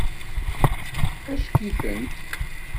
Acek-itent.